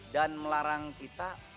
dan melarang kita dari berpacaran dengan allah